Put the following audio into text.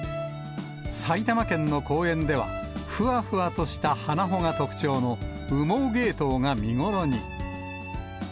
埼玉県の公園では、ふわふわとした花穂が特徴の羽毛ゲイトウが見頃に。